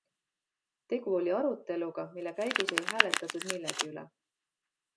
Tegu oli aruteluga, mille käigus ei hääletatud millegi üle.